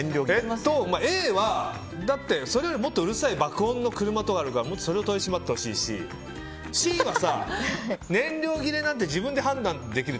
Ａはそれよりもっとうるさい爆音の車とかあるからそれを取り締まってほしいしＣは燃料切れなんて自分で判断できる。